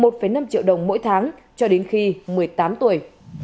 một năm triệu đồng mỗi tháng cho đến khi một mươi tám tuổi